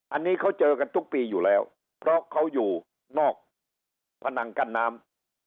อันนี้เขาเจอกันทุกปีอยู่แล้วเพราะเขาอยู่นอกพนังกั้นน้ำ